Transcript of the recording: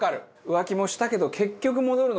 浮気もしたけど。